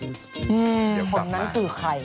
คนนั้นคือใคร